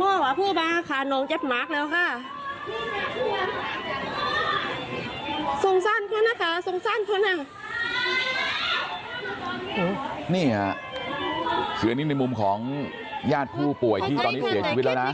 นี่ค่ะคืออันนี้ในมุมของญาติผู้ป่วยที่ตอนนี้เสียชีวิตแล้วนะ